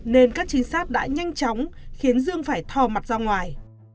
nên các trinh sát đã nhanh chóng khiến dương phải thò mặt ra ngoài